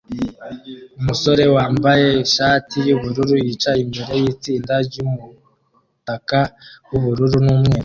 Umusore wambaye ishati yubururu yicaye imbere yitsinda ryumutaka wubururu n'umweru